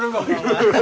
アハハハ。